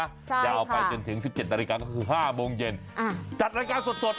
ใช่ค่ะยาวไปจนถึง๑๗นาฬิกาก็คือ๕โมงเย็นจัดรายการสด